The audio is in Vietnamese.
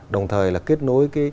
đồng thời là kết nối